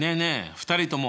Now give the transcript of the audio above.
２人とも。